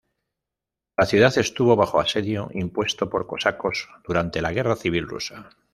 La ciudad estuvo bajo asedio impuesto por cosacos durante la Guerra Civil Rusa.